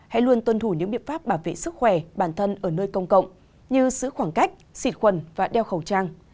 hãy luôn tuân thủ những biện pháp bảo vệ sức khỏe bản thân ở nơi công cộng như giữ khoảng cách xịt khuẩn và đeo khẩu trang